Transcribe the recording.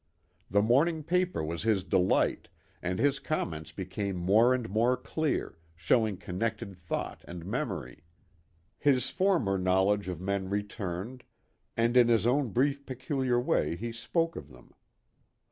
The morning paper was his delight and his comments became more and more clear, showing connected thought and memory. His former knowledge of men returned, and in his own brief peculiar way he spoke of them.